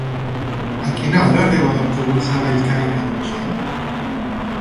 A quina hora arriba l'autobús de Bellcaire d'Urgell?